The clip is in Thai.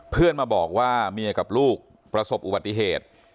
เพื่อนมาบอกว่าเมียกับลูกประสบอุบัติเหตุ